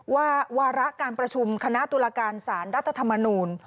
วาระการประชุมคณะตุลาการสารรัฐธรรมนูล